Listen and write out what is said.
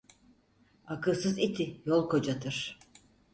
Akılsız iti yol kocatır.